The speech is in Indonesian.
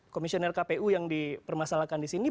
komisioner kpu yang dipermasalahkan disini